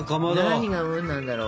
何が「うん」なんだろう？